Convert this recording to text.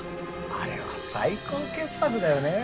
あれは最高傑作だよね。